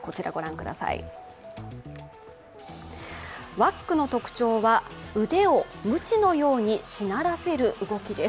ワックの特徴は、腕をむちのようにしならせる動きです。